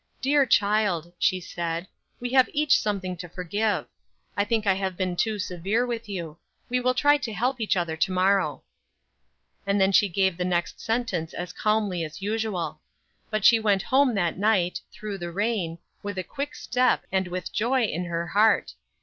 "Dear child," she said, "we have each something to forgive. I think I have been too severe with you. We will try to help each other to morrow." Then she gave the next sentence as calmly as usual. But she went home that night, through the rain, with a quick step and with joy in her heart.